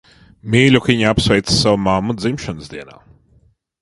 Mīļukiņi apsveic savu mammu dzimšanas dienā.